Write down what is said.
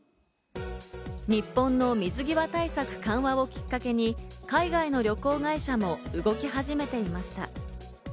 日本の水際対策緩和をきっかけに海外の旅行会社も動き始めていました。